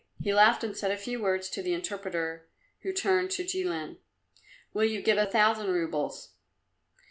He laughed and said a few words to the interpreter, who turned to Jilin. "Will you give a thousand roubles?"